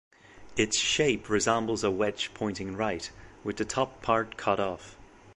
Its shape resembles a wedge pointing right, with the top part cut off.